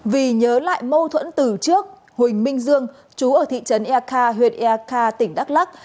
vì nhớ lại mâu thuẫn từ trước huỳnh minh dương chú ở thị trấn ea kha huyện ea kha tỉnh đắk lắc